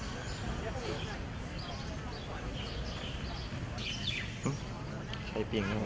และต้องเล่นสุขสันต์ของสำหรับคนจะรู้สึก